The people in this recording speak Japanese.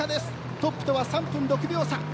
トップとは３分６秒差。